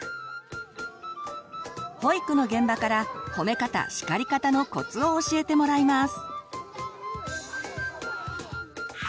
保育の現場から「褒め方・叱り方」のコツを教えてもらいます。